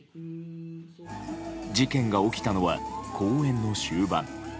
事件が起きたのは公演の終盤。